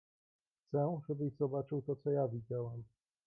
"Chcę, żebyś zobaczył to co ja widziałem."